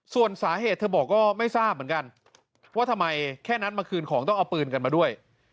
ส่วนสาเหตุเธอบอกก็ไม่ทราบเหมือนกันว่าทำไมแค่นั้นมาคืนของต้องเอาปืนกันมาด้วย